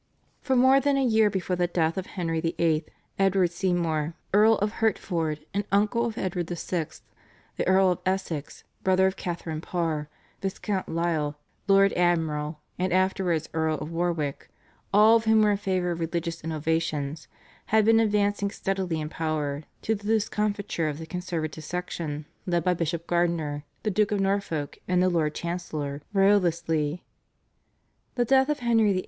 For more than a year before the death of Henry VIII., Edward Seymour, Earl of Hertford and uncle of Edward VI., the Earl of Essex, brother of Catharine Parr, Viscount Lisle, Lord Admiral and afterwards Earl of Warwick, all of whom were in favour of religious innovations, had been advancing steadily in power, to the discomfiture of the conservative section led by Bishop Gardiner, the Duke of Norfolk, and the Lord Chancellor Wriothesley. The death of Henry VIII.